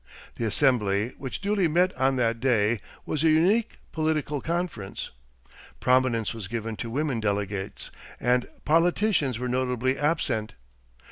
The assembly which duly met on that day was a unique political conference. Prominence was given to women delegates, and "politicians" were notably absent.